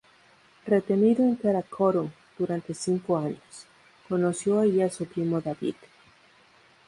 Retenido en Karakórum durante cinco años, conoció allí a su primo David.